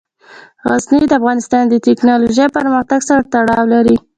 غزني د افغانستان د تکنالوژۍ پرمختګ سره تړاو لري.